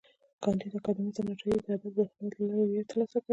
کانديد اکاډميسن عطایي د ادب د خدمت له لارې ویاړ ترلاسه کړی دی.